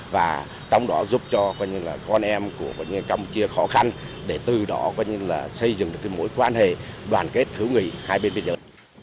và trong đó giúp cho con em của campuchia khó khăn để từ đó xây dựng được mối quan hệ đoàn kết thứ nghỉ hai bên biên giới